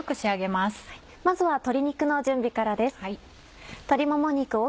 まずは鶏肉の準備からです。